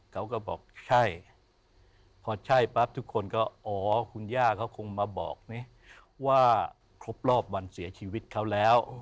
เขาก็บอกใช่พอใช่ปั๊บทุกคนก็อ๋อคุณย่าเขาคงมาบอกนี่ว่าครบรอบวันเสียชีวิตเขาแล้ว